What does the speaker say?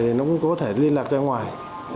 nó cũng có thể liên lạc ra ngoài